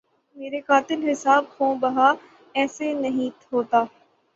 مرے قاتل حساب خوں بہا ایسے نہیں ہوتا